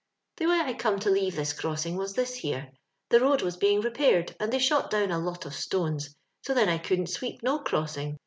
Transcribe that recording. "The way I come to leave this crossing was this here : the road was being repaired, and they shot down a lot of stones, so then I couldn't sweep no crossing.